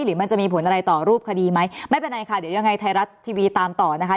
หรือมันจะมีผลอะไรต่อรูปคดีไหมไม่เป็นไรค่ะเดี๋ยวยังไงไทยรัฐทีวีตามต่อนะคะ